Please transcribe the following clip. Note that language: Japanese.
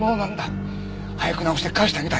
早く直して返してあげたい。